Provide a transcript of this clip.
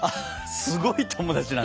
すごい友達なんだ。